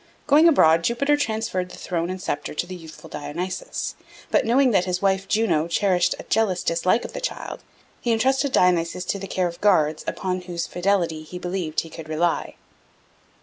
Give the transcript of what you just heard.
Going abroad, Jupiter transferred the throne and sceptre to the youthful Dionysus, but, knowing that his wife Juno cherished a jealous dislike of the child, he entrusted Dionysus to the care of guards upon whose fidelity he believed he could rely.